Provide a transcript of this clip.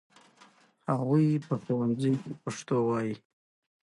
هغوی په ښوونځي کې پښتو وايي.